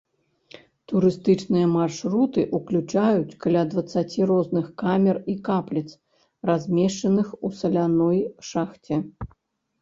Турыстычныя маршруты ўключаюць каля дваццаці розных камер і капліц, размешчаных у саляной шахце.